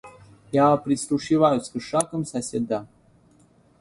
Я прислушиваюсь к шагам соседа.